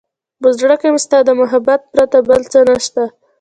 په زړه کې مې ستا د محبت پرته بل څه نشته.